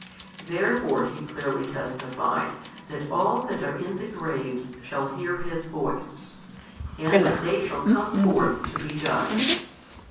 Therefore He clearly testified |278 that all that are in the graves shall hear His Voice, and that they shall come forth to be judged.